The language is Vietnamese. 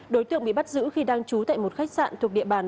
đối tượng bị bắt giữ khi đang trú tại một khách sạn thuộc địa bàn